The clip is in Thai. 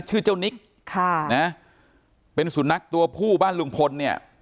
ชื่อเจ้านิกค่ะนะเป็นสุนัขตัวผู้บ้านลุงพลเนี่ย